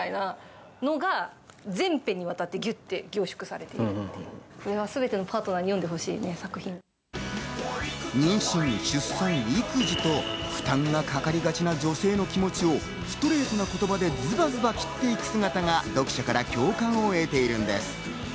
さらに夫と一緒にパパママ学級に参加した時にも。妊娠、出産、育児と負担がかかりがちな女性の気持ちをストレートな言葉でズバズバ切っていく姿が読者から共感を得ているんです。